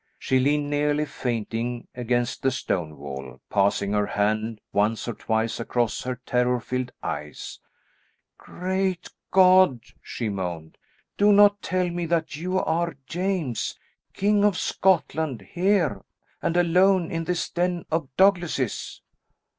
She leaned, nearly fainting, against the stone wall, passing her hand once or twice across her terror filled eyes. "Great God," she moaned, "do not tell me that you are James, King of Scotland, here, and alone, in this den of Douglases!"